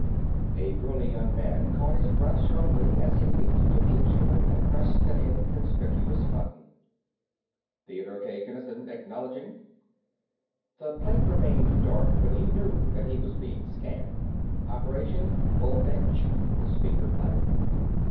A burly young man caught his breath sharply as he leaped to the instrument and pressed an inconspicuous button. "Theodore K. Kinnison acknowledging!" The plate remained dark, but he knew that he was being scanned. "Operation Bullfinch!" the speaker blatted.